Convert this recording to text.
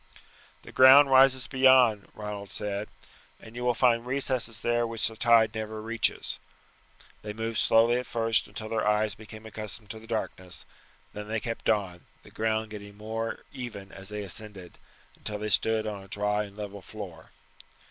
"The ground rises beyond," Ronald said, "and you will find recesses there which the tide never reaches." They moved slowly at first until their eyes became accustomed to the darkness; then they kept on, the ground getting more even as they ascended, until they stood on a dry and level floor.